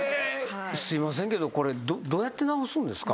すいませんけどこれどうやって治すんですか？